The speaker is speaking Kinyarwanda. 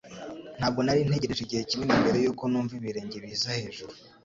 Ntabwo nari ntegereje igihe kinini mbere yuko numva ibirenge biza hejuru.